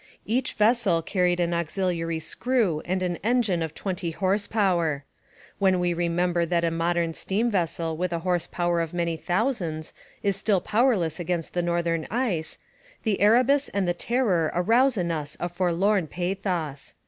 Each vessel carried an auxiliary screw and an engine of twenty horse power. When we remember that a modern steam vessel with a horse power of many thousands is still powerless against the northern ice, the Erebus and the Terror arouse in us a forlorn pathos.